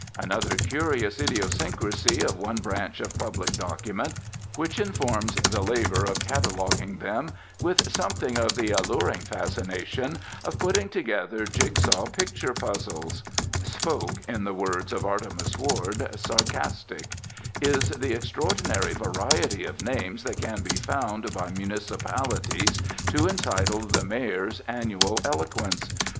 Another curious idiosyncrasy of one branch of public document which informs the labour of cataloguing them with something of the alluring fascination of putting together jig saw picture puzzles ("spoke," in the words of Artemas Ward, "sarcastic") is the extraordinary variety of names that can be found by municipalities to entitle the Mayor's annual eloquence.